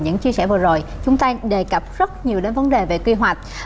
những chia sẻ vừa rồi chúng ta đề cập rất nhiều đến vấn đề về quy hoạch